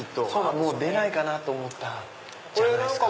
もう出ないかな？と思ったんじゃないですか？